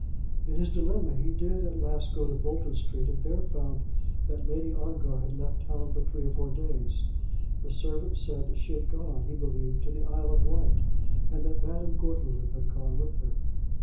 In his dilemma he did at last go to Bolton Street, and there found that Lady Ongar had left town for three or four days. The servant said that she had gone, he believed, to the Isle of Wight; and that Madame Gordeloup had gone with her.